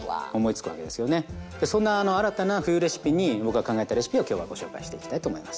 そんな新たな冬レシピに僕が考えたレシピを今日はご紹介していきたいと思います。